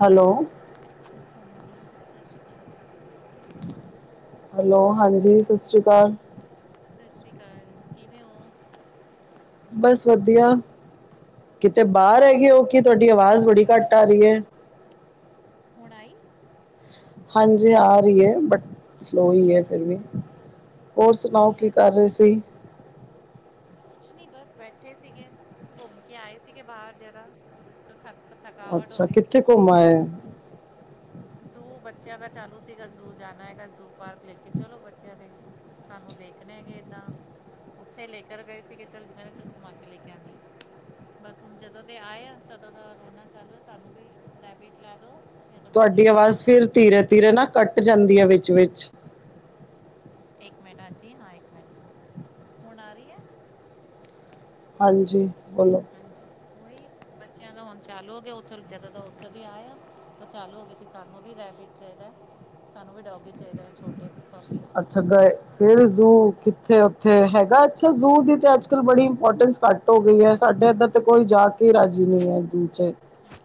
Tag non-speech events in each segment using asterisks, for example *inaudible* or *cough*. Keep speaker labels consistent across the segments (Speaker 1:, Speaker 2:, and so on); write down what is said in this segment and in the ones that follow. Speaker 1: Hello.
Speaker 2: ਹਾਂਜੀ ਸਤਿ ਸ਼੍ਰੀ ਅਕਾਲ ਜੀ।
Speaker 1: ਹੈਲੋ ਹਾਂਜੀ ਸਤਿ ਸ਼੍ਰੀ ਅਕਾਲ।
Speaker 2: ਸਤਿ ਸ਼੍ਰੀ ਅਕਾਲ ਕਿਵੇਂ ਹੋ।
Speaker 1: ਬਸ ਵਧੀਆ ਕਿਤੇ ਬਾਹਰ
Speaker 2: ਔਰ
Speaker 1: ਹੈਗੇ ਹੋ ਕਿ ਤੁਹਾਡੀ ਆਵਾਜ਼ ਬੜੀ
Speaker 2: ਬ
Speaker 1: ਘੱਟ ਆ ਰਹੀ ਹੈ।
Speaker 2: ਹੁਣ ਆਈ।
Speaker 1: ਹਾਂਜੀ ਆ ਰਹੀ ਹੈ ਬਟ ਸਲੋ ਹੀ ਹੈ ਫਿਰ ਵੀ। ਹੋਰ ਸੁਣਾਓ
Speaker 2: ਸਲੋਈ ਆ
Speaker 1: ਕੀ
Speaker 2: ਰਹੀ
Speaker 1: ਕਰ
Speaker 2: ਨੇ
Speaker 1: ਰਹੇ ਸੀ।
Speaker 2: ਕੁਛ ਨਹੀਂ ਬਸ ਬੈਠੇ ਸੀਗੇ ਘੁੰਮ ਕੇ ਆਏ ਸੀਗੇ ਬਾਹਰ ਜ਼ਰਾ। ਤਾਂ ਥਕ ਥਕਾਵਟ ਹੋ
Speaker 1: ਅੱਛਾ
Speaker 2: ਗਈ ਸੀਗੀ
Speaker 1: ਕਿੱਥੇ ਘੁੰਮ
Speaker 2: ਬੜੀ।
Speaker 1: ਆਏ
Speaker 2: ਜ਼ੂ ਬੱਚਿਆਂ ਦਾ ਚਾਲੂ ਸੀਗਾ ਜ਼ੂ ਜਾਣਾ ਹੈਗਾ ਜ਼ੂ ਪਾਰਕ ਲੈ ਕੇ ਚਲੋ ਬੱਚਿਆਂ ਨੇ। ਸਾਨੂੰ ਦੇਖਣੇ ਤਾਂ ਉੱਥੇ ਲੇਖ। ਕਰ ਗਏ ਸੀਗੇ ਚੱਲ ਮੈਂ ਚਿਰ ਘੁਮਾ ਕੇ ਲੈ ਕੇ ਆਉਂਦੀ ਹਾਂ। ਬਸ ਹੁਣ ਜਦੋਂ ਦੇ ਆਏ ਆ ਤਦੋਂ ਦਾ ਰੋਨਾ ਚਾਲੂ ਸਾਨੂੰ ਵੀ ਪ੍ਰਾਈਵੇਟ ਲੈ ਦੋ। ਜਾਂ ਤਾਂ ਡੋਗੀ
Speaker 1: ਤੁਹਾਡੀ
Speaker 2: ਲਿਆ
Speaker 1: ਆਵਾਜ਼
Speaker 2: ਦੋ
Speaker 1: ਫਿਰ ਧੀਰੇ ਧੀਰੇ ਨਾ ਕੱਟ ਜਾਂਦੀ ਹੈ ਵਿੱਚ ਵਿਚ।
Speaker 2: ਇੱਕ ਮਿੰਟ ਹਾਂਜੀ ਹਾਂ ਇੱਕ ਮਿੰਟ ਹੁਣ ਆ ਰਹੀ ਹੈ।
Speaker 1: ਹਾਂਜੀ ਬੋਲੋ
Speaker 2: ਹਾਂਜੀ ਉਹੀ ਬੱਚਿਆਂ ਦਾ ਹੁਣ ਚਾਲੂ ਹੋ ਗਿਆ ਉੱਥੇ ਜਦੋਂ ਦਾ ਉੱਥੋਂ ਦੀ ਆਏ ਆ ਉਹ ਚਾਲੂ ਹੋ ਗਿਆ ਕਿ ਸਾਨੂੰ ਵੀ ਰੈਬਿਡ ਚਾਹੀਦਾ ਸਾਨੂੰ ਵੀ ਡੋਗੀ ਚਾਹੀਦਾ ਨੇ ਛੋਟੇ ਪੱਪੀ।
Speaker 1: ਹੈਗਾ ਫਿਰ ਜ਼ੂ ਕਿੱਥੇ ਉੱਥੇ ਹੈਗਾ ਅੱਛਾ ਜ਼ੂ ਦੀ ਤੇ ਅੱਜ ਕੱਲ ਬੜੀ ਇੰਪੋਰਟੈਂਸ। ਘੱਟ ਹੋ ਗਈ ਹੈ ਸਾਡੇ ਇੱਧਰ ਤੇ ਕੋਈ ਜਾ ਕੇ ਰਾਜੀ ਨਹੀਂ ਹੈ ਦੂ ਚ।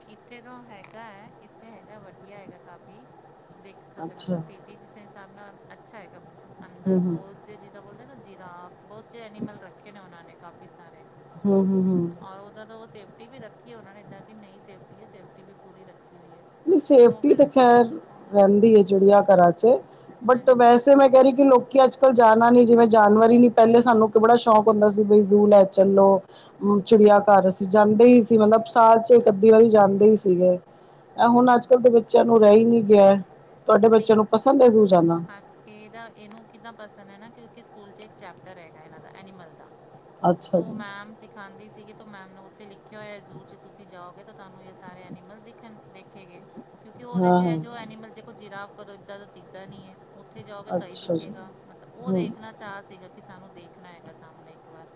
Speaker 2: ਇੱਥੇ ਤਾਂ ਹੈਗਾ ਹੈ ਇੱਥੇ ਹੈਗਾ ਵਧੀਆ ਹੈਗਾ ਕਾਫੀ ਦੇਖ ਸਕਦੇ
Speaker 1: ਅੱਛਾ
Speaker 2: ਮਤਲਬ ਅਸੀਂ। ਜਿਸੇ ਹਿਸਾਬ ਨਾਲ ਅੱਛਾ ਹੈਗਾ
Speaker 1: ਹੂੰ
Speaker 2: ਅੰਦਰ
Speaker 1: ਹੂੰ
Speaker 2: ਬੋਤ ਜੀਦਾਂ ਬੋਲਦੇ ਨਾ ਜੀਰਾਫ। ਬਹੁਤ ਜਿਹੇ ਐਨੀਮਲ ਰੱਖੇ ਨੇ ਉਹਨਾਂ ਨੇ ਕਾਫੀ ਸਾਰੇ।
Speaker 1: ਹੂੰ ਹੂੰ ਹੂੰ।
Speaker 2: ਔਰ ਉਦਾ ਤਾਂ ਉਹ ਸੇਫਟੀ ਵੀ ਰੱਖੀ ਹੈ ਉਹਨਾ ਨੇ ਇਦਾਂ ਕਿ ਨਹੀਂ ਸੇਫਟੀ ਹੈ ਸੇਫਟੀ ਵੀ ਪੂਰੀ ਰੱਖੀ ਹੋਈ ਹੈ।
Speaker 1: ਨਹੀਂ
Speaker 2: ਲੇਕਿਨ ਉਹ
Speaker 1: ਸੇਫਟੀ
Speaker 2: ਫਿਰ
Speaker 1: ਤੇ ਖੈਰ ਰਹਿੰਦੀ ਹੈ ਚਿੜੀਆਂ ਆ ਘਰਾਂ ਚ। ਬਟ
Speaker 2: ਹਾਂਜੀ
Speaker 1: ਵੈਸੇ ਮੈਂ ਕਹਿ ਰਹੀ ਕਿ ਲੋਕੀ ਅੱਜ। ਕੋਲ ਜਾਣਾ ਨੀ ਜਿਵੇਂ ਜਾਨਵਰ ਹੀ ਨੀ ਪਹਿਲੇ ਸਾਨੂੰ ਬੜਾ ਸ਼ੌਕ ਹੁੰਦਾ ਸੀ ਬਈ ਜ਼ੂ ਲੈ ਚੱਲੋ। ਚਿੜੀਆਘਰ ਅਸੀ ਜਾਂਦੇ ਹੀ ਸੀ ਮਤਲਬ ਸਾਲ ਚ ਇਕ ਅੱਧੀ ਵਾਰੀ ਜਾਂਦੇ ਹੀ ਸੀਗੇ। ਹੁਣ ਅੱਜ
Speaker 2: ਹੂੰ
Speaker 1: ਕੱਲ੍ਹ ਦੇ ਬੱਚਿਆਂ ਨੂੰ ਰਹਿ ਹੀ ਨੀ ਗਿਆ, ਤੁਹਾਡੇ
Speaker 2: ਨਹੀਂ
Speaker 1: ਬੱਚਿਆਂ ਨੂੰ ਪਸੰਦ ਹੈ ਜ਼ੂ ਜਾਣਾ।
Speaker 2: ਹਾਂ ਇਹਦਾ ਇਹਨੂੰ ਕਿੱਦਾਂ ਪਸੰਦ ਹੈ ਨਾ ਕਿਉਂਕਿ ਸਕੂਲ ਚ ਇੱਕ ਚੈਪਟਰ ਹੈਗਾ ਇਹਨਾਂ ਦਾ ਐਨੀਮਲ ਦਾ।
Speaker 1: ਅੱਛਾ
Speaker 2: ਤੇ
Speaker 1: ਜੀ
Speaker 2: ਮੈਮ ਦਿਖਾਂਂਦੀ ਸੀਗੀ ਮੈਮ ਨੂੰ ਉੱਥੇ ਲਿਖਿਆ ਹੋਇਆ। ਜ਼ੂ ਚ ਤੁਸੀਂ ਜਾਓਗੇ ਤਾਂ ਤੁਹਾਨੂੰ ਇਹ ਸਾਰੇ ਐਨੀਮਲ ਵੇਖਣ ਦਿੱਖ ਗਏ ਕਿਉਂਕਿ ਉਹਦੇ
Speaker 1: ਹਾਂ
Speaker 2: ਚ ਜੋ
Speaker 1: ਹਾਂ
Speaker 2: ਐਨੀਮਲ ਦੇ ਕੋੋ ਜਿਰਾਬ ਕਦੋਂ ਏਦਾਂ ਦਾ ਦੀਖਦਾ ਨਹੀਂ ਹੈ। ਉੱਥੇ ਜਾਓਗੇ ਤਾਂ ਹੀ
Speaker 1: ਅੱਛਾ ਜੀ
Speaker 2: ਦਿਖੇਗਾ ਮਤਲਬ ਉਹ
Speaker 1: ਹੂੰ
Speaker 2: ਦੇਖਣਾ। ਚਾਅ ਸੀਗਾ ਕਿ ਸਾਨੂੰ ਦੇਖਣਾ ਹੈਗਾ ਸਾਹਮਣੇ ਇੱਕ ਵਾਰ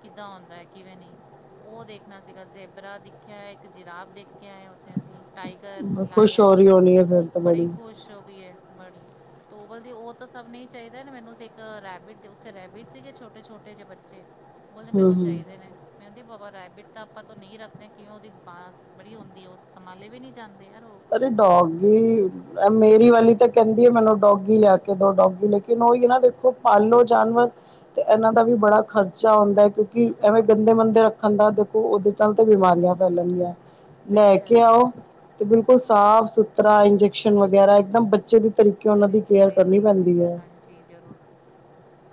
Speaker 2: ਕਿੱਦਾਂ ਆਉਂਦਾ ਹੈ ਕਿਵੇਂ ਨਹੀਂ? ਉਹ ਦੇਖਣਾ ਸੀਗਾ ਜ਼ੇਬਰਾ ਦੇਖਿਆ, ਇੱਕ ਜਿਰਾਬ ਦੇਖਿਆ ਹੈ। ਉੱਥੇ ਸੀ ਟਾਈਗਰ ਲਾਇਨ।
Speaker 1: ਣੀਏ ਫਿਰ।
Speaker 2: ਬੜੀ ਖੁਸ਼ ਹੋ ਗਈ ਹੈ ਬੜੀ। ਦੋ ਬਲ ਉਹ ਤਾਂ ਸਭ ਨੇ ਚਾਹੀਦਾ ਨਾ ਮੈਨੂੰ ਇੱਕ ਰੈਬਿਟ ਦੇ ਉੱਤੇ ਰੈਬਿਟ ਸੀ, ਛੋਟੇ ਛੋਟੇ ਜਿਹੇ ਬੱਚੇ ਉਹ ਤਾਂ
Speaker 1: ਹੂੰ
Speaker 2: ਮੈਨੂੰ
Speaker 1: ਹੂੰ
Speaker 2: ਚਾਹੀਦੇ ਨੇ। ਕਹਿੰਦੀ ਬਾਬਾ ਰੇਬਿੱਟ ਤਾਂ ਆਪਾਂ ਤੋਂ ਨਹੀਂ ਰੱਖਦੇ, ਕਿਵੇਂ ਉਹਦੀ ਬਾਂਸ ਬੜੀ ਹੁੰਦੀ ਹੈ, ਉਹ ਸੰਭਾਲੇ ਵੀ ਨਹੀਂ ਜਾਂਦੇ ਯਾਰ ਉਹ।
Speaker 1: ਡੌਗੀ ਮੇਰੀ ਵਾਲੀ ਤਾਂ ਕਹਿੰਦੀ ਹੈ ਮੈਨੂੰ ਡੋਗੀ ਲਿਆ ਕੇ ਦੋ, ਡੋਗੀ ਲੇਕਿਨ ਉਹੀ ਨਾ ਦੇਖੋ ਪਾਲੋ ਜਾਨਵਰ ਤੇ ਇਹਨਾਂ ਦਾ ਵੀ ਬੜਾ ਖਰਚਾ ਆਉਂਦਾ ਹੈ, ਕਿਉਂਕਿ ਐਵੇਂ ਗੰਦੇ ਮੰੰਦੇ ਰੱਖਣ ਦਾ ਦੇਖੋ ਉਹਦੇ ਨਾਲ ਤੇ ਬਿਮਾਰੀਆਂ ਫ਼ੈਲਣ ਗਿਆਂ
Speaker 2: ਸਹੀ
Speaker 1: ਲੈ
Speaker 2: ਗੱਲ
Speaker 1: ਕੇ
Speaker 2: ਹੈ
Speaker 1: ਆਓ ਤੇ ਬਿਲਕੁੱਲ ਸਾਫ ਸੁਥਰਾ ਇੰਜੈਕਸ਼ਨ ਵਗੈਰਾ ਇਕਦਮ ਬੱਚੇ ਦੀ ਤਰੀਕੇ ਨਾਲ ਉਹਨਾਂ ਦੀ ਕੇਅਰ ਕਰਨੀ ਪੈਂਦੀ ਹੈ।
Speaker 2: ਜੀ ਜ਼ਰੂਰ,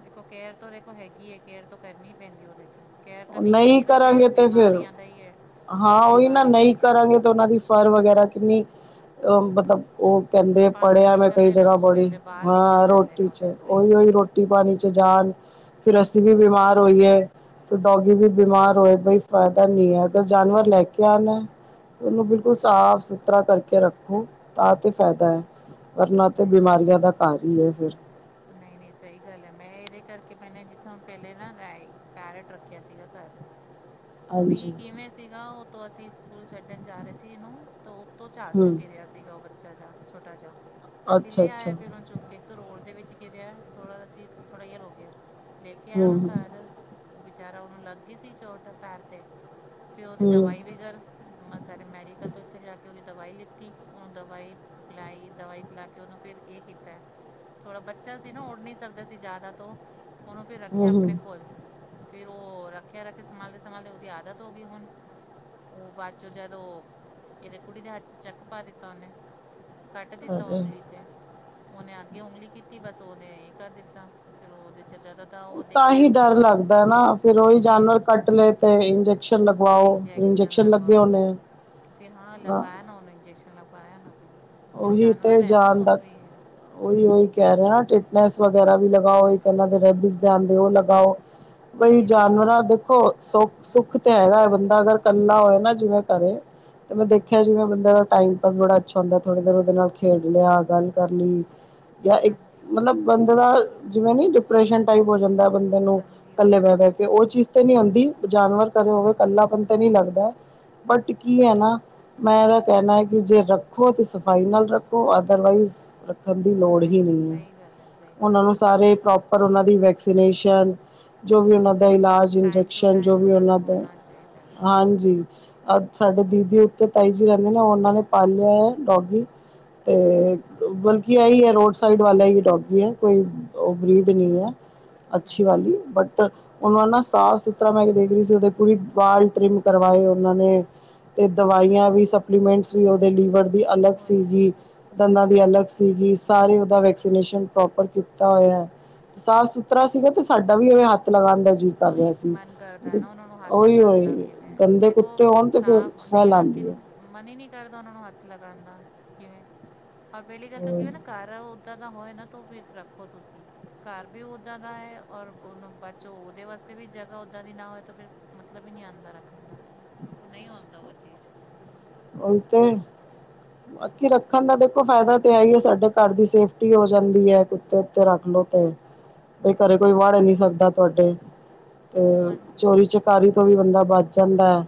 Speaker 2: ਦੇਖੋ ਕੇਅਰ ਤੋਂ ਦੇਖੋ ਹੈਗੀ ਹੈ ਕੇਅਰ ਤੋਂ ਕਰਨੀ ਪੈਂਦੀ ਉਹਦੇ ਚ, ਕੈਅਰ ਤਾਂ ਨਹੀਂ ਕੀਤੀ ਨਾ ਫਿਰ
Speaker 1: ਕਰਾਂਗੇ
Speaker 2: ਉਹ
Speaker 1: ਤੇ ਫਿਰ
Speaker 2: ਬਿਮਾਰੀਆਂ ਦਾ ਹੀ ਹੈ
Speaker 1: ਹਾਂ
Speaker 2: ਫਿਰ
Speaker 1: ਉਹੀ ਨਾ
Speaker 2: ਬਿਮਾਰੀ ਦਾ
Speaker 1: ਨਹੀਂ
Speaker 2: ਹੀ ਹੈ
Speaker 1: ਕਰਾਂਗੇ
Speaker 2: ਬੰਦਾ।
Speaker 1: ਤਾਂ ਉਹਨਾਂ ਦੀ ਫਰ ਵਗੈਰਾ ਕਿੰਨੀ, ਉਹ ਮਤਲਬ ਉਹ ਕਹਿੰਦੇ
Speaker 2: ਭੰਗ
Speaker 1: ਪੜਿਆ ਮੈਂ ਕਈ
Speaker 2: ਨਿਕਲਦੇ ਨਾ
Speaker 1: ਜਗਾ
Speaker 2: ਪੂਰੇ
Speaker 1: ਪੜੀ,
Speaker 2: ਉਹਦੇ ਬਾਲ ਨਿਕਲ
Speaker 1: ਹਾਂ
Speaker 2: ਜਾਂਦੇ ਨੇ
Speaker 1: ਰੋਟੀ ਚ
Speaker 2: ਉਹਦੇ
Speaker 1: ਓਹੀ
Speaker 2: ਵਹੀ
Speaker 1: ਉਹੀ ਰੋਟੀ ਰੋਟੀ ਪਾਣੀ ਚ ਜਾਣ, ਫਿਰ ਅਸੀਂ ਵੀ ਬਿਮਾਰ ਹੋਈਏ ਤੇ ਡੋਗੀ ਵੀ ਬਿਮਾਰ ਹੋਏ ਬਈ ਫਾਇਦਾ ਨਹੀਂ ਹੈ, ਤੇ ਜਾਨਵਰ ਲੈ ਕੇ ਆਉਣਾ ਉਹਨੂੰ ਬਿਲਕੁੱਲ
Speaker 2: ਨਹੀਂ
Speaker 1: ਸਾਫ਼ ਸੁਥਰਾ ਕਰਕੇ ਰੱਖੋ ਤਾਂ ਤੇ ਫਾਇਦਾ ਹੈ। ਵਰਨਾ
Speaker 2: ਨਹੀਂ
Speaker 1: ਤੇ
Speaker 2: ਨਹੀਂ
Speaker 1: ਬਿਮਾਰੀਆਂ ਦਾ ਘਰ ਹੀ ਹੈ ਫਿਰ
Speaker 2: ਨਹੀਂ ਨਹੀਂ ਸਹੀ ਗੱਲ ਹੈ, ਮੈਂ ਇਹਦੇ ਕਰਕੇ ਮੈਂ ਜਿਸ ਤਰਾਂ ਹੁਣ ਪਹਿਲੇ ਨਾ ਪੈਰਟ ਰੱਖਿਆ ਸੀਗਾ ਘਰ।
Speaker 1: *unintelligible*
Speaker 2: ਉਹ ਵੀ ਕਿਵੇਂ ਸੀਗਾ ਉਹ ਤਾਂ ਅਸੀਂ ਸਕੂਲ ਛੱਡਣ ਜਾ ਰਹੇ ਸੀ ਇਹਨੂੰ ਤਾਂ ਉਤੋਂ ਝਾੜ ਚੋਂ
Speaker 1: ਹਮ
Speaker 2: ਗਿਰਿਆ ਸੀਗਾ ਉਹ ਬੱਚਾ ਜਾ ਛੋਟਾ ਜਾ ਅਸੀਂ
Speaker 1: ਅੱਛਾ
Speaker 2: ਲੈ
Speaker 1: ਅੱਛਾ
Speaker 2: ਆਏ ਫਿਰ ਉਹਨੂੰ ਚੁੱਕ ਤੇ ਇੱਕ ਤਾਂ ਰੋਡ ਦੇ ਵਿੱਚ ਗਿਰਿਆ ਥੋੜਾ ਅਸੀਂ ਥੋੜ੍ਹਾ ਚਿਰ ਹੋ ਗਿਆ ਲੈ ਕੇ ਆਇਆ ਉਹਨੂੰ
Speaker 1: ਹਮ ਹਮ
Speaker 2: ਘਰ ਵਿਚਾਰਾ ਉਹਨੂੰ ਲੱਗ ਗਈ ਸੀ ਚੋਟ ਪੈਰ ਤੇ, ਫਿਰ ਉਹਦੀ
Speaker 1: ਹਮ
Speaker 2: ਦਵਾਈ ਵਗੇਰਾ ਮੈਂ ਸਾਡੇ ਮੈਡੀਕਲ ਤੋਂ ਇੱਥੇ ਜਾ ਕੇ ਉਹਦੀ ਦਵਾਈ ਲਿੱਤੀ ਉਹਨੂੰ ਦਵਾਈ ਪਿਲਾਈ ਦਵਾਈ ਪਿਲਾ ਕੇ ਉਹਨੂੰ ਫਿਰ ਇਹ ਕੀਤਾ ਥੋੜ੍ਹਾ ਬੱਚਾ ਬੱਚਾ ਸੀ ਨਾ ਉੱਡ ਨਹੀਂ ਸਕਦਾ ਸੀ ਜ਼ਿਆਦਾ ਤੋਂ ਉਹਨੂੰ ਫਿਰ
Speaker 1: ਹਮ
Speaker 2: ਰੱਖਿਆ
Speaker 1: ਹਮ
Speaker 2: ਆਪਣੇ ਕੋਲ। ਫਿਰ ਉਹ ਰੱਖਿਆ-ਰੱਖਿਆ ਸੰਭਾਲਦੇ-ਸੰਭਾਲਦੇ ਉਹਦੀ ਆਦਤ ਹੋ ਗਈ ਹੁਣ। ਉਹ ਬਾਅਦ ਚੋਂ ਜਦੋਂ ਉਹ ਇਹਦੇ ਕੁੜੀ ਦੇ ਹੱਥ ਚ ਚੱਕ ਪਾ ਦਿੱਤਾ ਉਹਨੇ। ਕੱਟ ਦਿੱਤਾ
Speaker 1: ਅਰੇ
Speaker 2: ਉਂਗਲੀ ਤੇ, ਉਹਨੇ ਅੱਗੇ ਉਂਗਲੀ ਕੀਤੀ ਬਸ ਉਹਨੇ ਇਹ ਕਰ ਦਿੱਤਾ ਫਿਰ ਉਹਦੇ ਚੱ
Speaker 1: ਤਾਂ ਹੀ ਡਰ ਲੱਗਦਾ ਨਾ ਫਿਰ ਉਹੀ
Speaker 2: ਫਿਰ
Speaker 1: ਜਾਨਵਰ ਕੱਟ ਲਏ ਤੇ ਇੰਜੈਕਸ਼ਨ ਲਗਵਾਓ
Speaker 2: ਇੰਜੈਕਸ਼ਨ
Speaker 1: ਇੰਜੈ ਲੱਗੇ
Speaker 2: ਲਗਵਾਓ
Speaker 1: ਹੋਣੇ ਹੈ
Speaker 2: ਫਿਰ ਹਾਂ ਲਗਵਾਇਆ ਨਾ ਉਹਨੂੰ ਇੰਜੈਕਸ਼ਨ ਲਗਵਾਇਆ ਨਾ ਫਿਰ ਕਿਉਂਕਿ ਓ
Speaker 1: ਉਹੀ
Speaker 2: ਜਾਨਵਰ
Speaker 1: ਤੇ
Speaker 2: ਹੈ ਨਾ
Speaker 1: ਜਾਨ
Speaker 2: ਓ ਤੇ
Speaker 1: ਦਾ
Speaker 2: ਵੀ
Speaker 1: ਉਹੀ ਉਹੀ ਕਹਿ ਰਿਆ ਨਾ ਟਿਟਨੇਸ ਵਗੈਰਾ ਵੀ ਲਗਾਓ ਇਨਾਂ ਦੇ ਰੈਬ ਧਿਆਨ ਦਿਓ
Speaker 2: ਉਹੀ
Speaker 1: ਲਗਾਓ ਬਈ
Speaker 2: ਉਹੀ ਵਹੀ
Speaker 1: ਜਾਨਵਰਾਂ ਦੇਖੋ ਸੁ ਸੁੱਖ ਤੇ ਹੈਗਾ ਹੈ ਬੰਦਾ ਅਗਰ ਕੱਲਾ ਹੋਏ ਨਾ ਜਿਵੇਂ ਘਰੇ ਤੇ ਮੈਂ ਦੇਖਿਆ
Speaker 2: ਹੂੰ
Speaker 1: ਜੀਵੇਂ ਬੰਦਾ ਦਾ ਟਾਈਮ ਪਾਸ ਬੜਾ ਅੱਛਾ ਹੁੰਦਾ ਥੋੜੀ ਦੇਰ ਦੇ ਨਾਲ ਖੇਡ ਲਿਆ ਗੱਲ ਕਰ ਲਈ ਜਾਂ ਇੱਕ
Speaker 2: ਹਾਂਜੀ
Speaker 1: ਮਤਲਬ ਬੰਦੇ ਦਾ ਜਿਵੇਂ ਨੀ ਡਿਪ੍ਰੈਸ਼ਨ ਟਾਈਪ ਹੋ ਜਾਂਦਾ ਬੰਦ ਉਨੂੰ
Speaker 2: ਹਾਂਜੀ ਉਹੀ
Speaker 1: ਕੱਲੇ
Speaker 2: ਉਹੀ
Speaker 1: ਬੈ-ਬੈ ਕੇ ਉਹ ਚੀਜ਼ ਤੇ ਨੀ ਹੁੰਦੀ ਜਾਨਵਰ ਘਰੇ ਹੋਵੇ ਕੱਲਾਪਨ ਤੇ ਨੀ ਲੱਗਦਾ। ਬੱਟ ਕੀ ਐ ਨਾ ਮੈਂ ਇਹਦਾ ਕੈਂਣਾ ਕਿ ਜੇ ਰੱਖੋ ਤੇ ਸ਼ਫਾਈ ਨਾਲ ਰੱਖੋ ਅਦਰਵਾਈਜ਼ ਰੱਖਣ ਦੀ ਲੋੜ ਹੀ
Speaker 2: ਨਹੀਂ
Speaker 1: ਨਈ ਹੈ
Speaker 2: ਸਹੀ ਗੱਲ ਹੈ ਸਹੀ
Speaker 1: ਉਹਨਾਂ ਨੂੰ
Speaker 2: ਬਰਾਬਰ ਬੋਲ
Speaker 1: ਸਾਰੇ ਪ੍ਰੋਪ ਪਰ ਉਹਨਾਂ ਦੀ ਵੈਕਸੀਨੇਸ਼ਨ ਜੋ ਵੀ ਉਹਨਾਂ ਦਾ ਇਲਾਜ
Speaker 2: ਟਾਈਮ ਟੂ
Speaker 1: ਇੰਜੈਕਸ਼ਨ ਜੋ
Speaker 2: ਟਾਈਮ
Speaker 1: ਵੀ
Speaker 2: ਦਾ
Speaker 1: ਉਹਨਾਂ ਦੇ
Speaker 2: ਹੋਣਾ ਚਾਹੀਦਾ ਹੈ
Speaker 1: ਹਾਂਜੀ। ਅੱਜ ਸਾਡੇ ਦੀਦੀ ਉੱਤੇ ਤਾਈ ਜੀ ਰੈਂਦੇ ਨੇ ਉਹਨਾਂ ਨੇ ਪਾਲਿਆ ਐ ਡੋਗੀ ਏ ਤੇ ਬਲਕਿ ਆਹੀ ਹੈ ਰੋਡ ਸਾਈਡ ਵਾਲੇ ਹੀ ਡੋਗੀ ਏ ਕੋਈ ਓ ਬਰੀਡ ਨਈ ਐ ਅੱਛੀ
Speaker 2: ਹਾਂਜੀ
Speaker 1: ਵਾਲੀ ਬੱਟ ਉਹਨੂੰ ਨਾ ਸਾਫ ਸੁੱਥਰਾ ਮੈਂ ਦੇਖ ਰਈ ਸੀ ਉਹਦੇ ਪੂਰੀ ਵਾਲ ਟ੍ਰਿਮ ਕਰਵਾਏ ਉਹਨਾਂ ਨੇ ਤੇ ਦਵਾਈਆਂ ਵੀ ਸਪਲੀਮੈਂਟਸ ਵੀ ਉਹਦੇ ਲੀਵਰ ਦੀ ਅਲੱਗ
Speaker 2: ਉਹੀ ਉਹੀ
Speaker 1: ਸੀਗੀ। ਦੰਦਾਂ ਦੀ ਅਲੱਗ ਸੀਗੀ ਸਾਰੇ ਉਹਦਾ ਵੈਕਸੀਨੇਸ਼ਨ ਪ੍ਰੋਪਰ ਕੀਤਾ ਹੋਇਆ ਐ। ਸਾਫ਼ ਸੁਥਰਾ ਸੀਗਾ ਤੇ ਸਾਡਾ ਵੀ ਇਹ ਹੱਥ ਲਗਾਂਦਾ।
Speaker 2: ਉਹੀ ਮਨ ਕਰਦਾ ਨਾ ਉਹਨਾਂ ਨੂੰ ਹੱਥ
Speaker 1: ਉਹੀ
Speaker 2: ਲਗਾਣ
Speaker 1: ਹੋਏ
Speaker 2: ਦਾ ਕਿਵੇਂ
Speaker 1: ਗੰਦੇ
Speaker 2: ਦੇਖੋ
Speaker 1: ਕੁੱਤੇ ਹੋਣ ਤੇ ਫਿਰ
Speaker 2: ਸਾਫ਼ ਨਈ
Speaker 1: ਸਮੈਲ
Speaker 2: ਹੱਥ ਹੀ
Speaker 1: ਆਉਂਦੀ ਹੈ।
Speaker 2: ਮਨ ਈ ਨੀ ਕਰਦਾ ਉਹਨਾਂ ਨੂੰ ਹੱਥ ਲਗਾਣ ਦਾ ਕਿਵੇਂ ਔਰ ਪੈਲੀ ਗੱਲ ਤੋਂ ਕਿਵੇਂ ਨਾ ਸਾਰਾ ਓਦਾਂ ਦਾ ਹੋਏ ਨਾ ਤ ਫਿਰ ਰੱਖੋ ਤੁਸੀ ਘਰ ਵੀ ਓਦਾਂ ਦਾ ਹੈ ਔਰ ਉਨੂੰ ਬਚੋ ਦੇ ਵਾਸਤੇ ਵੀ ਜਗ੍ਹਾ ਓਦਾਂ ਦੀ ਨਾ ਹੋਵੇ ਤਾਂ ਫਿਰ ਮਤਲਬ ਈ ਨਈ ਆਂਦਾ ਰੱਖਣ ਦਾ ਓ ਨਈ ਹੁੰਦਾ ਓ ਚੀਜ਼
Speaker 1: ਉਹੀ ਤੇ ਬਾਕੀ ਰੱਖਣ ਦਾ ਦੇਖੋ ਫਾਇਦਾ ਤੇ ਆ ਹੀ ਹੈ ਸਾਡੇ ਘਰ ਦੀ ਸੇਫਟੀ ਹੋ ਜਾਂਦੀ ਹੈ ਕੁੱਤੇ ਉੱਤੇ ਰੱਖ ਲੋ ਤੇ ਇਹ ਘਰੇ ਕੋਈ ਵੜ ਨਈ ਸਕਦਾ ਤੁਹਾਡੇ ਤੇ
Speaker 2: ਹਾਂਜੀ
Speaker 1: ਚੋਰੀ ਚਕਾਰੀ ਤੋਂ ਵੀ ਬੰਦਾ ਬਚ ਜਾਂਦਾ ਐ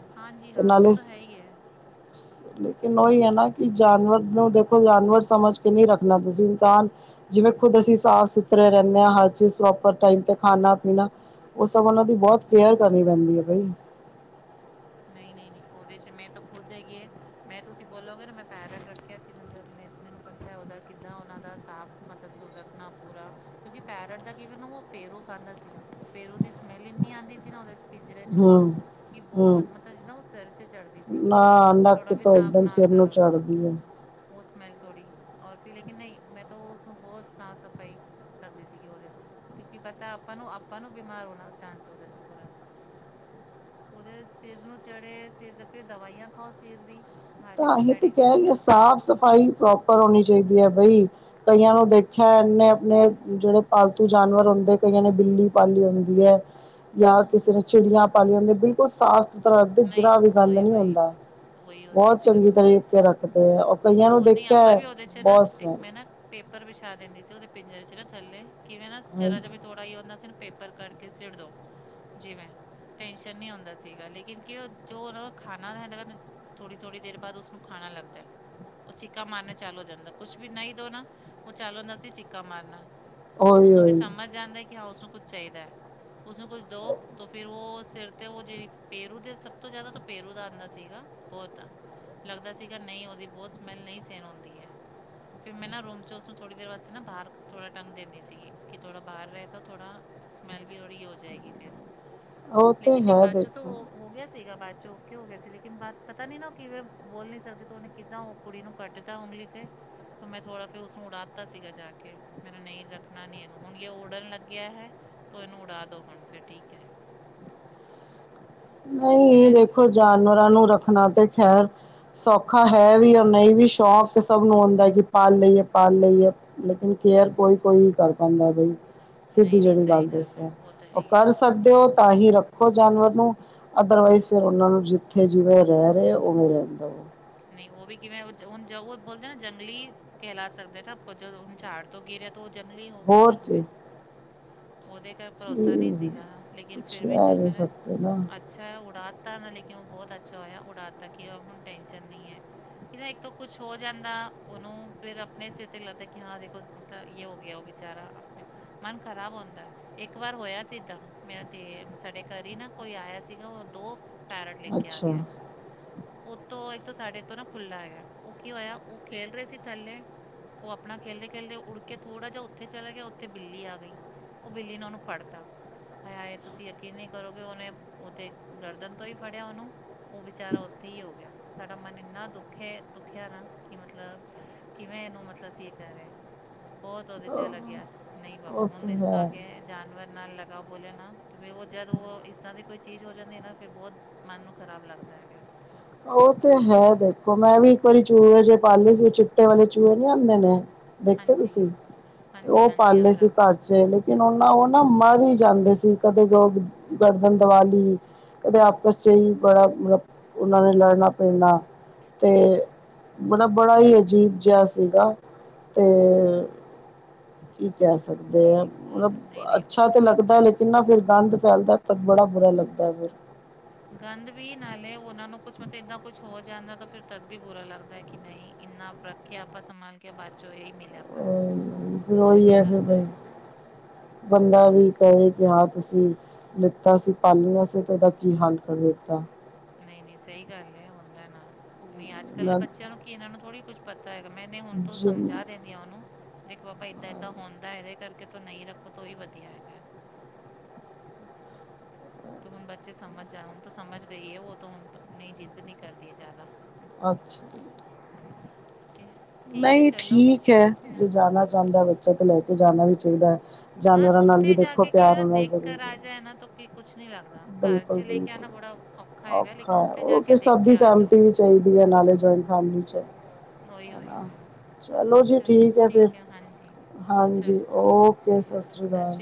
Speaker 1: ਤੇ ਨਾਲੇ
Speaker 2: ਸਈ ਐ।
Speaker 1: ਲੇਕਿਨ ਉਹੀ ਹੈ ਨਾ ਕਿ ਜਾਨਵਰ ਨੂੰ ਦੇਖੋ ਜਾਨਵਰ ਸਮਝ ਕੇ ਨਈ ਰੱਖਣਾ ਤੁਸੀਂ ਇਨਸਾਨ ਜਿਵੇਂ ਖੁਦ ਅਸੀਂ ਸਾਫ਼ ਸੁਥਰੇ ਰੈਣੇ ਹਾਂ ਹਰ ਚੀਜ਼ ਪ੍ਰੋਪਰ ਖਾਣਾ ਪੀਣਾ ਓ ਸਭ ਉਹਨਾਂ ਦੀ ਬੋਤ ਕੇਅਰ ਕਰਨੀ ਪੈਂਦੀ ਏ ਬਈ
Speaker 2: ਨਈ-ਨਈ-ਨਈ ਉਹਦੇ 'ਚ ਮੈਂ ਤਾਂ ਖੁਦ ਹੈਗੀ ਮੈਂ ਤੁਸੀਂ ਬੋਲੋਗੇ ਨਾ ਮੈਂ ਪੈਰਟ ਰੱਖਿਆ ਸੀ ਨਾ ਮ ਮੈਨੂੰ ਪਤ ਉਹਦਾ ਕਿੱਦਾਂ ਉਹਨਾਂ ਦਾ ਸਾਫ਼ ਸ ਮਤਲਬ ਰੱਖਣਾ ਪੂਰਾ ਕਿਉਂਕਿ ਪੈਰਟ ਦਾ ਕਿਵੇਂ ਨਾ ਉਹ ਪੇਰੂ ਖਾਂਦਾ ਸੀਗਾ ਉਹ ਪੇਰੂ ਦੀ ਸਮੈਲ ਇੰਨੀ ਆਂਦੀ ਸੀ ਨਾ ਉਹਦੇ ਪਿੰਜਰ ਚੋਂ
Speaker 1: ਹੂੰ
Speaker 2: ਕਿ
Speaker 1: ਹੂੰ
Speaker 2: ਬਹੁਤ ਮਤਲਬ ਨਾ ਓ ਸਿਰ 'ਚ ਚੜ੍ਹਦੀ ਸੀਗੀ
Speaker 1: ਨਾ
Speaker 2: ਥੋੜ੍ਹਾ
Speaker 1: ਨੱਕ
Speaker 2: ਵੀ
Speaker 1: ਤੋਂ
Speaker 2: ਸਾਫ਼
Speaker 1: ਇੱਕਦਮ
Speaker 2: ਨਾ
Speaker 1: ਸਿਰ ਨੂੰ
Speaker 2: ਕਰੋ ਤੋ
Speaker 1: ਚੜ੍ਹਦੀ ਹੈ
Speaker 2: ਓ ਸਮੈਲ ਥੋੜ੍ਹੀ ਔਰ ਫਿਰ ਲੇਕਿਨ ਨਈ ਮੈਂ ਤਾ ਉਸਨੂੰ ਬੋਤ ਸਾਫ਼ ਸਫ਼ਾਈ ਕਰਦੀ ਸੀਗੀ ਉਹਦੇ ਤੋ ਕਿਉਂਕਿ ਪਤਾ ਆਪਾਂ ਨੂੰ ਆਪਾਂ ਨੂੰ ਬਿਮਾਰ ਹੋਣਾ ਚਾਂਸ ਉਹਦੇ 'ਚ ਪੂਰਾ ਉਹਦੇ ਸਿਰ ਨੂੰ ਚੜ੍ਹੇ ਸਿਰ ਦੇ ਫਿਰ ਦਵਾਈਆਂ ਖਾਓ ਸਿਰ ਦੀ
Speaker 1: ਤਾਂ
Speaker 2: ਹੈਡਕ
Speaker 1: ਇਹ ਤੇ
Speaker 2: ਹੈਡੇਕ ਦੀ
Speaker 1: ਕਹਿ ਰਈ ਏ
Speaker 2: ਪੂਰਾ
Speaker 1: ਸਾਫ਼ ਸਫ਼ਾਈ ਪ੍ਰੋਪਰ ਹੋਣੀ ਚਾਹੀਦੀ ਐ ਬਈ ਕਈਆਂ ਨੂੰ ਦੇਖਿਆ ਇਹਨੇ ਆਪਣੇ ਜੇੜੇ ਪਾਲਤੂ ਜਾਨਵਰ ਹੁੰਦੇ ਕਈਆਂ ਨੇ ਬਿੱਲੀ ਪਾਲੀ ਹੁੰਦੀ ਐ। ਜਾਂ
Speaker 2: ਹਾਂ
Speaker 1: ਕਿਸੇ ਨੇ ਚਿੜੀਆਂ ਪਾਲੀਆਂ ਹੁੰਦੀ ਬਿਲਕੁਲ ਸਾਫ਼ ਸੁਥਰਾ
Speaker 2: ਨਹੀਂ
Speaker 1: ਜਰਾ ਵੀ ਗੰਦ
Speaker 2: ਵਹੀ
Speaker 1: ਨਈ
Speaker 2: ਵਹੀ
Speaker 1: ਹੁੰਦਾ।
Speaker 2: ਉਹੀ ਉਹਦੇ
Speaker 1: ਬਹੁਤ
Speaker 2: 'ਚ
Speaker 1: ਚੰਗੀ
Speaker 2: ਕਰਨਾ
Speaker 1: ਤਰੀਕੇ ਰੱਖਦੇ ਆ, ਔਰ ਕਈਆਂ
Speaker 2: ਉਹਨੂੰ
Speaker 1: ਨੂੰ
Speaker 2: ਉਹਨੇ
Speaker 1: ਦੇਖਿਆ
Speaker 2: ਆਪਾਂ
Speaker 1: ਐ
Speaker 2: ਵੀ ਉਹਦੇ 'ਚ ਨਾ
Speaker 1: ਬਹੁਤ
Speaker 2: ਇੱਕ ਮੈਂ ਨਾ ਪੇਪਰ ਵਿਛਾ ਦਿੰਦੀ ਸੀ, ਉਹਦੇ ਪਿੰਜਰੇ 'ਚ ਨਾ ਥੱਲੇ ਕਿਵੇਂ ਨਾ ਜਰਾ ਜ ਵੀ ਥੋੜ੍ਹਾ ਈ ਹੁੰਦਾ ਸੀ ਨਾ, ਪੇਪਰ ਕਰਕੇ ਸਿੜ ਦੋ, ਜਿਵੇਂ ਟੈਨਸ਼ਨ ਨੀ ਹੋਂਦਾ ਸੀਗਾ, ਲੇਕਿਨ ਕਿ ਜੋ ਉਹਨਾ ਦਾ ਖਾਣਾ ਹਦਾ, ਥੋੜੀ-ਥੋੜੀ ਦੇਰ ਬਾਅਦ ਉਸਨੂੰ ਖਾਣਾ ਲੱਗਦਾ। ਉਹ ਚੀਕਾ ਮਾਰਨਾ ਚਾਲੂ ਹੋ ਜਾਂਦਾ, ਕੁਛ ਵੀ ਨਹੀਂ ਦ‌ਉ ਨਾ, ਉਹ ਚਾਲੂ ਹੁੰਦਾ ਸੀ ਚੀਕਾ ਮਾਰਨਾ।
Speaker 1: ਹਾਂਜੀ ਹੋਈ
Speaker 2: ਉਸਨੂੰ ਫਿ
Speaker 1: ਹੋਈ
Speaker 2: ਸਮਝ ਜਾਂਦਾ ਕਿ ਹਾਂ, ਉਸਨੂੰ ਕੁੱਛ ਚਾਹੀਦੈ, ਉਸਨੂੰ ਕੁੱਛ ਦੋ ਤੋ ਫਿਰ ਵੋ ਸਿਰ ਤੇ ਉਹ ਜਿਹੜੀ ਪੇਰੂ ਦੇ, ਸਭ ਤੋਂ ਜਿਆਦਾ ਤਾਂ ਪੇਰੂ ਦਾ ਆਂਦਾ ਸੀਗਾ, ਬਹੁਤ ਲੱਗਦਾ ਸੀਗਾ ਨਹੀਂ, ਉਹਦੀ ਬਹੁਤ ਸਮੈਲ ਨਹੀਂ ਸੇਨ ਹੁੰਦੀ ਐ। ਫਿਰ ਮੈਂ ਨਾ ਰੂਮ 'ਚ ਉਸਨੂੰ ਥੋੜ੍ਹੀ ਦੇਰ ਵਾਸਤੇ ਨਾ, ਬਾਹਰ ਥੋੜਾ ਟੰਗ ਦਿੰਨੀ ਸੀਗੀ, ਕਿ ਥੋੜਾ ਬਾਹਰ ਰਹੇ ਤਾਂ ਥੋੜਾ ਸਮੈਲ ਵੀ ਓੜ੍ਹੀ ਹੋ ਜਾਏਗੀ ਫਿਰ।
Speaker 1: ਉਹ ਤੇ
Speaker 2: ਲੇਕਿਨ ਨਹੀਂ
Speaker 1: ਹੈ,
Speaker 2: ਬਾਅਦ ਚੋਂ ਤਾਂ
Speaker 1: ਦੇਖੋ
Speaker 2: ਉਹ ਹੋ ਗਿਆ ਸੀਗਾ ਬਾਅਦ 'ਚ ਓਕੇ ਹੋ ਗਿਆ ਸੀ, ਲੇਕਿਨ ਬਾਦ ਪਤਾ ਨੀ ਨਾ ਕਿਵੇਂ ਬੋਲ ਨੀ ਸਕਦੇ ਤੇ ਉਹਨੇ ਕਿੱਦਾਂ ਓ ਕੁੜੀ ਨੂੰ ਕੱਟਦਾ ਉਂਗਲੀ ਤੇ ਤੇ ਮੈਂ ਥੋੜ੍ਹਾ ਫਿਰ ਉਸਨੂੰ ਉਡਾ ਤਾ ਸੀਗਾ ਜਾ ਕੇ। ਮੈਂ ਨਹੀਂ ਰੱਖਣਾ ਨੀ ਇਹਨੂੰ ਹੁਣ, ਜੇ ਉੜਨ ਲੱਗਿਆ ਹੈ ਤੋ ਇਹਨੂੰ ਉਡਾ ਦੋ ਹੁਣ ਫੇਰ, ਠੀਕ ਐ।
Speaker 1: ਨਹੀਂ,
Speaker 2: ਕਿਵੇਂ
Speaker 1: ਦੇਖੋ ਜਾਨਵਰਾਂ ਨੂੰ ਰੱਖਣਾ ਤੇ ਖੈਰ ਸੌਖਾ ਹੈ ਵੀ ਐ, ਨਹੀਂ ਵੀ ਸ਼ੌਕ ਤੇ ਸਭ ਨੂੰ ਆਉਂਦਾ ਕਿ ਪਾਲ ਲਈਏ, ਪਾਲ ਲਈਏ, ਲੇਕਿਨ ਕੇਅਰ
Speaker 2: ਹਮ,
Speaker 1: ਕੋਈ-ਕੋਈ ਕਰ ਪਾਉਂਦਾ ਬਈ, ਸਿੱਧੀ
Speaker 2: ਨਹੀਂ ਨਹੀਂ
Speaker 1: ਜਿਹੜੀ
Speaker 2: ਸਹੀ
Speaker 1: ਗੱਲ
Speaker 2: ਹੈ
Speaker 1: ਦੱਸਿਆ,
Speaker 2: ਤਾਂ ਹੈ
Speaker 1: ਉਹ
Speaker 2: ਹੀ ਹੈ
Speaker 1: ਕਰ ਸਕਦੇ ਓ ਤਾਂ ਹੀ ਰੱਖੋ ਜਾਨਵਰ ਨੂੰ ਅਦਰਵਾਈਜ਼ ਫਿਰ ਉਹਨਾ ਨੂੰ ਜਿੱਥੇ ਜਿਵੇਂ ਰਹਿ ਰਹੇ, ਉਵੇਂ ਰਹਿਣ ਦ‌ਉ।
Speaker 2: ਨਹੀਂ ਉਹ ਵੀ ਕਿਵੇਂ ਹੁਣ, ਜ ਉਹ ਬੋਲਦੇ ਨਾ ਜੰਗਲੀ ਕਹਿਲਾ ਸਕਦੇ ਨਾ, ਅਪ ਜ ਹੁਣ ਝਾੜ ਤੋਂ ਗਿਰਿਆ ਓ ਜੰਗਲੀ ਹੋ ਗਿਆ
Speaker 1: ਹੋਰ
Speaker 2: ਫਿਰ ਹੂ ਮੈਂ
Speaker 1: ਕੀ
Speaker 2: ਉਹਦੇ ਘਰ ਭਰੋਸਾ ਨਹੀਂ
Speaker 1: ਕੀ-
Speaker 2: ਸੀਗਾ, ਲੇਕਿਨ
Speaker 1: ਕੁਛ
Speaker 2: ਫਿਰ ਵੀ
Speaker 1: ਕਹਿ
Speaker 2: ਚਲ
Speaker 1: ਨਹੀਂ
Speaker 2: ਮੈਂਹਾ
Speaker 1: ਸਕਦੇ ਨਾ
Speaker 2: ਅੱਛਾ ਐ ਉਡਾ ਤਾ ਨਾ, ਲੇਕਿਨ ਉਹ ਬਹੁਤ ਅੱਛਾ ਹੋਇਆ ਉਡਾ ਤਾ ਕੀਆ ਹੁਣ ਟੈਨਸ਼ਨ ਨੀ ਐ। ਦਾ ਇੱਕ ਤੋਂ ਕੁਛ ਹੋ ਜਾਂਦਾ ਉਹਨੂੰ, ਫਿਰ ਆਪਣੇ ਸਿਰ ਤੇ ਲੱਗਦਾ ਕਿ, ਹਾਂ ਵੇਖੋ ਤਾਂ ਯੇ ਹੋ ਗਿਆ ਉਹ ਬੇਚਾਰਾ, ਆਪਨਾ ਮਨ ਖ਼ਰਾਬ ਹੋਂਦਾ ਇੱਕ ਵਾਰ ਹੋਇਆ ਸੀ ਇਦਾਂ, ਮੇਰਾ ਦੇ ਸਾਡੇ ਘਰ ਈ ਨਾ ਕੋਈ ਆਇਆ ਸੀਗਾ, ਉਹ ਦੋ ਪੈਰਟ ਲੇਕੇ ਆ
Speaker 1: ਅੱਛਾ
Speaker 2: ਗਿਆ ਸੀ। ਉਤੋਂ ਇੱਕ ਸਾਡੇ ਤੋਂ ਨਾ ਖੁੱਲਾ ਹੈਗਾ, ਉਹ ਕੀ ਹੋਇਆ ਉਹ ਖੇਲ ਰਹੇ ਸੀ ਥੱਲੇ ਉਹ ਆਪਣਾ ਖੇਲਦੇ-ਖੇਲਦੇ ਉੜ ਕੇ ਥੋੜਾ ਜਿਹਾ ਉੱਥੇ ਚਲਾ ਗਿਆ, ਉੱਥੇ ਬਿੱਲੀ ਆ ਗਈ। ਉਹ ਬਿੱਲੀ ਨੇ ਉਹਨੂੰ ਫੜਤਾ ਹਾਏ-ਹਾਏ, ਤੁਸੀਂ ਯਕੀਨ ਨੀ ਕਰੋਗੇ, ਓਨੇ ਓ ਤੇ ਗਰਦਨ ਤੋਂ ਈ ਫੜਿਆ ਓਨੂੰ ਉਹ ਵਿਚਾਰਾ ਉੱਥੇ ਈ ਹੋ ਗਿਆ, ਸਾਡਾ ਮਨ ਇੰਨਾ ਦੁਖੇ ਦੁਖਿਆ ਨਾ, ਕਿ ਮਤਲਬ ਕਿਵੇਂ ਇਹਨੂੰ ਮਤਲਬ ਅਸੀਂ ਇਹ ਕਹ ਰਹੇ, ਬਹੁਤ ਉਹਦੇ 'ਚ ਐ ਲੱਗਿਆ ਨਹੀਂ ਬਾਬਾ
Speaker 1: ਉਹ ਤੇ
Speaker 2: ਹੁਣ ਇਸ
Speaker 1: ਹੈ
Speaker 2: ਐ ਜਾਨਵਰ ਨਾਲ ਲਗਾ ਬੋਲਿਆ ਨਾ ਤੇ ਫਿਰ ਉਹ ਜਦ ਉਹ ਇਦਾਂ ਦੀ ਕੋਈ ਚੀਜ਼ ਹੋ ਜਾਂਦੀ ਏ ਨਾ, ਫਿਰ ਬਹੁਤ ਮਨ ਨੂੰ ਖ਼ਰਾਬ ਲੱਗਦਾ ਹੈਗਾ।
Speaker 1: ਉਹ ਤੇ ਹੈ ਦੇਖੋ, ਮੈਂ ਵੀ ਇੱਕ ਵਾਰੀ ਚੂਹੇ ਜੇ ਪਾਲੇ ਸੀ, ਉਹ ਚਿੱਟੇ ਵਾਲੇ ਚੂਹੇ ਨੀ ਆਉਂਦੇ ਨੇ। ਦੇਖੇ
Speaker 2: ਹਾਂਜੀ
Speaker 1: ਤੁਸੀਂ ਤੇ
Speaker 2: ਹਾਂਜੀ
Speaker 1: ਉਹ
Speaker 2: ਹਾਂਜੀ ਹਾਂ
Speaker 1: ਪਾਲੇ ਸੀ
Speaker 2: ਬਰਾਬਰ
Speaker 1: ਘਰ 'ਚ ਲੇਕਿਨ ਉਹਨਾਂ ਉਹ ਨਾ ਮਰ ਈ ਜਾਂਦੇ ਸੀ, ਕਦੇ ਜੋ ਗਰਦਨ ਦਵਾਲੀ, ਕਦੇ ਆਪਸ 'ਚ ਹੀ ਬੜਾ ਮਤ ਉਹਨਾਂ ਨੇ ਲੜਨਾ ਪੈਂਣਾ ਤੇ ਬੜਾ-ਬੜਾ ਹੀ ਅਜੀਬ ਜਿਹਾ ਸੀਗਾ। ਤੇ ਕੀ ਕਹਿ ਸਕਦੇ
Speaker 2: ਨਹੀਂ
Speaker 1: ਆ,
Speaker 2: ਨਹੀਂ
Speaker 1: ਮਤਲਬ
Speaker 2: ਬਹੁਤ ਨਹੀਂ ਨਹੀਂ
Speaker 1: ਅੱਛਾ
Speaker 2: ਬਹੁਤ
Speaker 1: ਤੇ ਲੱਗਦਾ,
Speaker 2: ਹੈ
Speaker 1: ਲੇਕਿਨ
Speaker 2: ਮੈਨੂੰ
Speaker 1: ਨਾ ਫਿਰ ਗੰਦ ਫੈਲਦਾ ਤੇ ਬੜਾ ਬੁਰਾ ਲੱਗਦਾ ਐ, ਫਿਰ।
Speaker 2: ਗੰਦ ਵੀ ਨਾਲੇ ਉਹਨਾਂ ਨੂੰ ਕੁਛ ਮਤਲਬ ਏਦਾਂ ਕੁਛ ਹੋ ਜਾਂਦਾ ਤਾਂ ਫਿਰ ਤਦ ਵੀ ਬੁਰਾ ਲੱਗਦਾ ਐ ਕਿ ਨਹੀਂ ਇੰਨਾ ਰੱਖਿਆ ਆਪਾਂ ਸੰਭਾਲ ਕੇ ਬਾਦ ਚ ਇਹ ਮਿਲ
Speaker 1: ਹੂੰ ਫਿਰ ਉਹੀ ਹੈ ਫਿਰ ਬਾਈ, ਬੰਦਾ ਵੀ ਕਵੇ- ਕਿ ਹਾਂ ਤੁਸੀਂ, ਲਿਤਾ ਸੀ ਪਾਲਿਆ ਸੀ ਤੇ ਉਹਦਾ ਕੀ ਹੱਲ ਕਰ ਦਿੱਤਾ।
Speaker 2: ਨਹੀਂ-ਨਹੀਂ ਸਹੀ ਗੱਲ ਹੈ ਹੁੰਦਾ ਨਾ। ਨਹੀਂ ਅੱਜਕੱਲ ਦੇ ਬੱਚਿਆਂ ਨੂੰ ਕੀ ਇਹਨਾਂ ਨੂੰ ਥੋੜ੍ਹੀ ਕੁਛ ਪਤਾ ਹੈਗਾ ਮੈਂਨੇ ਹੁਣ ਤੋ ਸਮਝਾ ਦਿੰਦੀ ਉਹਨੂੰ। ਦੇਖੋ ਬਾਬਾ ਏਦਾਂ-ਏਦਾਂ ਹੁੰਦਾ ਇਹਦੇ ਕਰਕੇ ਤੂੰ ਨਹੀਂ ਰੱਖੋ ਤੋ ਈ ਵਧੀਆ ਹੈਗਾ। ਹੁਣ ਬੱਚੇ ਸਮਝ ਜਾਣ ਸਮਝ ਗਈ ਹੈ ਉਹ ਹੁਣ ਨਹੀਂ ਜਿੱਦ ਨੀ ਕਰਦੀ ਜ਼ਿਆਦਾ।
Speaker 1: ਅੱਛਾ
Speaker 2: ਕਿ
Speaker 1: ਨਹੀਂ ਠੀਕ ਹੈ ਜੇ ਜਾਣਾ ਚਾਂਦਾ ਬੱਚਾ ਤਾਂ ਲੈ ਕੇ ਜਾਣਾ ਵੀ ਚਾਹੀਦਾ।
Speaker 2: ਹੈਂ
Speaker 1: ਜਾਨਵਰਾਂ ਨਾਲ ਵੀ
Speaker 2: ਉੱਥੇ ਜਾ
Speaker 1: ਦੇਖੋ
Speaker 2: ਕੇ ਕਿਵੇਂ
Speaker 1: ਪਿਆਰ
Speaker 2: ਨਾ
Speaker 1: ਹੋਣਾ ਜ਼ਰੂਰੀ
Speaker 2: ਦੇਖਕਰ ਆ
Speaker 1: ਹੈ
Speaker 2: ਜਾਏ ਨਾ ਤੋ ਕੀ- ਕੁਛ ਨੀ ਲੱਗਦਾ ਘਰ 'ਚ
Speaker 1: ਬਿਲਕੁਲ
Speaker 2: ਲੈ ਕੇ
Speaker 1: ਬਿਲਕੁਲ
Speaker 2: ਆਉਣਾ ਬੜਾ ਔਖਾ ਹੈਗਾ ਲੇਕਿਨ
Speaker 1: ਹੈ
Speaker 2: ਉੱਥੇ ਜਾ
Speaker 1: ਉਹ
Speaker 2: ਕੇ
Speaker 1: ਫਿਰ
Speaker 2: ਦੇਖ
Speaker 1: ਸਭ
Speaker 2: ਕੇ
Speaker 1: ਦੀ
Speaker 2: ਆ ਜਾਓ।
Speaker 1: ਸਹਿਮਤੀ ਵੀ ਚਾਹੀਦੀ ਹੈ ਨਾਲੇ ਜੁਆਇੰਟ ਫੈਮਲੀ ਚ।
Speaker 2: ਉਹ ਈ ਉਹ ਈ
Speaker 1: ਨਾ।
Speaker 2: ਬਾਈ।
Speaker 1: ਚਲੋ ਜੀ ਠੀਕ ਹੈ ਫਿਰ।
Speaker 2: ਹਾਂਜੀ
Speaker 1: ਹਾਂਜੀ ਓਕੇ ਸਤਿ ਸ੍ਰੀ ਅਕਾਲ।